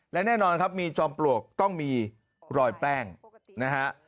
และแน่นอนครับมีจอมปลวกต้องมีรอยแป้งนะฮะ